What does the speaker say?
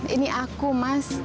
ini aku mas